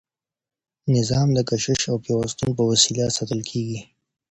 نظام د کشش او پیوستون په وسیله ساتل کیږي.